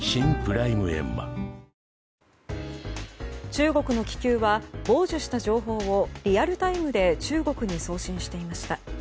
中国の気球は傍受した情報をリアルタイムで中国に送信していました。